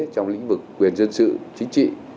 trong lĩnh vực quyền dân sự chính trị